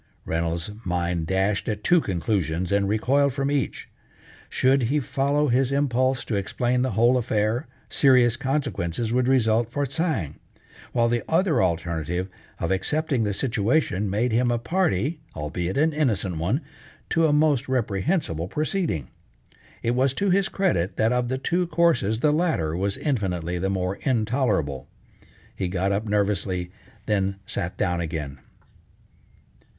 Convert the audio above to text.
Reynolds's mind dashed at two conclusions and recoiled from each. Should be follow his impulse to explain the whole affair, serious consequences would result for Tsang, while the other alternative of accepting the situation made him a party, albeit an innocent one, to a most reprehensible proceeding. It was to his credit, that of the two courses the latter was infinitely the more intolerable. He got up nervously, then sat down again.